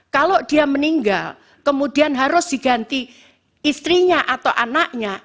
kalau dia meninggal kemudian harus diganti istrinya atau anaknya